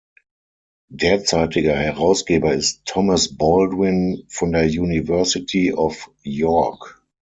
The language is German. Derzeitiger Herausgeber ist Thomas Baldwin von der University of York.